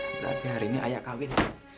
berarti hari ini ayah kawin